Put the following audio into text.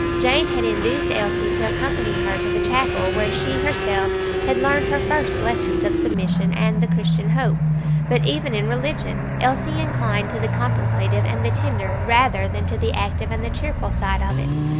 Jane had induced Elsie to accompany her to the chapel, where she herself had learned her first lesson of submission and of Christian hope; but even in religion Elsie inclined to the contemplative and the tender rather than to the active and the cheerful side of it.